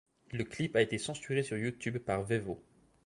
Le clip a été censuré sur YouTube par Vevo.